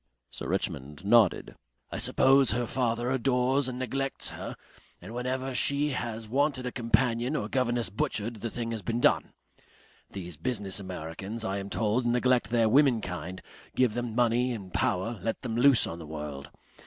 Sir Richmond nodded. "I suppose her father adores and neglects her, and whenever she has wanted a companion or governess butchered, the thing has been done.... These business Americans, I am told, neglect their womenkind, give them money and power, let them loose on the world....